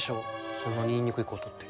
そんなに言いにくいことって。